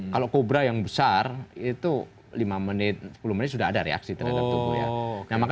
kalau kobra yang besar itu lima menit sepuluh menit sudah ada reaksi terhadap tubuhnya